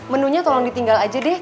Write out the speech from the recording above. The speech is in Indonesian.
menunya tolong ditinggal aja deh